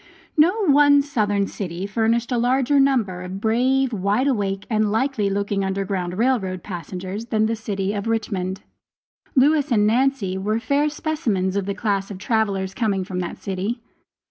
No one Southern city furnished a larger number of brave, wide awake and likely looking Underground Rail Road passengers than the city of Richmond. Lewis and Nancy were fair specimens of the class of travelers coming from that city.